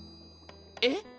えっ？